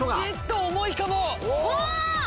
重いかも！